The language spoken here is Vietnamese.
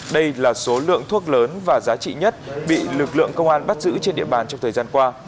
đây là số lượng thuốc lớn và giá trị nhất bị lực lượng công an bắt giữ trên địa bàn trong thời gian qua